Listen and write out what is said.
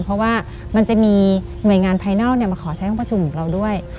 เพราะว่ามันจะมีหน่วยงานภายนอกมาขอใช้ห้องประชุมของเราด้วย